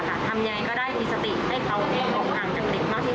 ระยะเวลาทั้งหมดที่เขาเข้ามาอยู่ในร้านประมาณที่